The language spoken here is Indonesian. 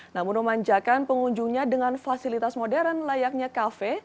namun memanjakan pengunjungnya dengan fasilitas modern layaknya kafe